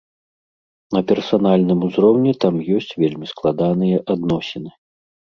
На персанальным узроўні там ёсць вельмі складаныя адносіны.